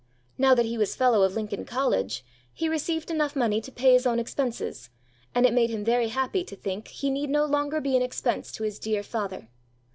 Now that he was Fellow of Lincoln College he received enough money to pay his own expenses, and it made him very happy to think he need no longer be an expense to his dear father.